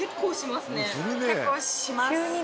結構します。